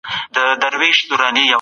ما ورته وويل چي دا مال زما خپل ملکيت دی.